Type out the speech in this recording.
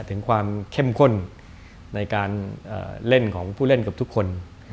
ถึงความเข้มข้นในการเล่นของผู้เล่นกับทุกคน